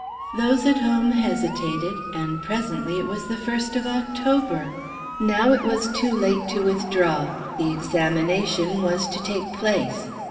Those at home hesitated, and presently it was the first of October. Now it was too late to withdraw; the examination was to take place.